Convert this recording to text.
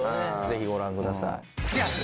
ぜひご覧ください。